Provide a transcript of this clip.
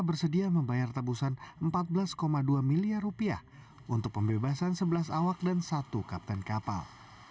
bersedia membayar tebusan empat belas dua miliar rupiah untuk pembebasan sebelas awak dan satu kapten kapal